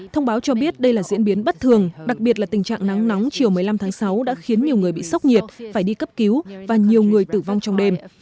thông báo cho biết đây là diễn biến bất thường đặc biệt là tình trạng nắng nóng chiều một mươi năm tháng sáu đã khiến nhiều người bị sốc nhiệt phải đi cấp cứu và nhiều người tử vong trong đêm